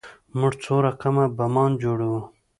موږ څو رقم بمان جوړوو.